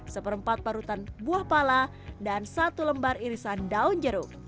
seperempat parutan buah pala dan satu lembar irisan daun jeruk